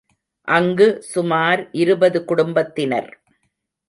அங்கு சுமார் இருபது குடும்பத்தினர்.